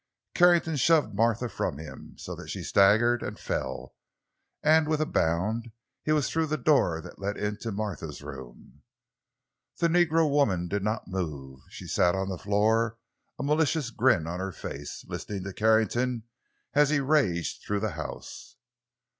Carrington shoved Martha from him, so that she staggered and fell; and with a bound he was through the door that led into Martha's room. The negro woman did not move. She sat on the floor, a malicious grin on her face, listening to Carrington as he raged through the house.